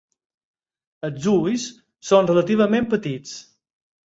Els ulls són relativament petits.